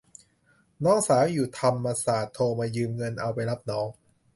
น้องสาวอยู่ธรรมศาสตร์โทรมายืมเงินเอาไปรับน้อง